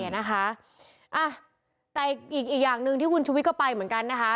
อ่ะนะคะแต่อีกอย่างหนึ่งที่คุณชุวิตก็ไปเหมือนกันนะคะ